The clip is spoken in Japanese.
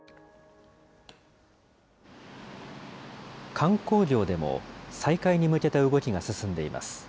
観光業でも、再開に向けた動きが進んでいます。